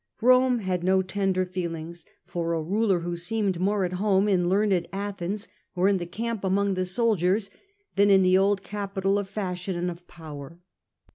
Rome had no tender feeling for a ruler who seemed more at home in learned Athens, or in the camp among the soldiers, than in the old capital of fashion and of power.